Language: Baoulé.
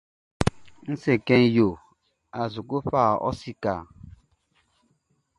N se kɛ yo a su kɔ fa ɔ sikaʼn?